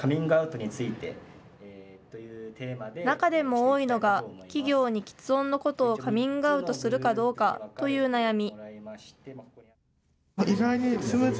中でも多いのが、企業にきつ音のことをカミングアウトするかどうかという悩み。